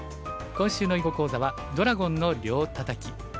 今週の囲碁講座は「ドラゴンの両タタキ」。